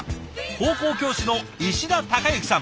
高校教師の石田孝之さん。